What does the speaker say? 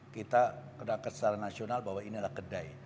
kita kena kesalahan nasional bahwa ini adalah kedai